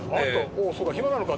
「おおそうか暇なのか？」